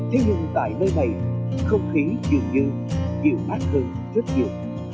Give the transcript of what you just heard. thế nhưng tại nơi này không khí dường như nhiều ác hương rất nhiều